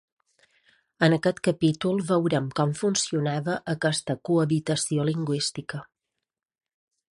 En aquest capítol, veurem com funcionava aquesta cohabitació lingüística.